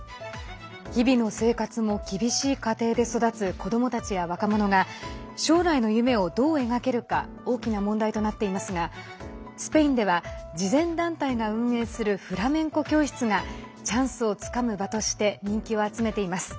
日々の生活も厳しい家庭で育つ子どもたちや若者が将来の夢を、どう描けるか大きな問題となっていますがスペインでは慈善団体が運営するフラメンコ教室がチャンスをつかむ場として人気を集めています。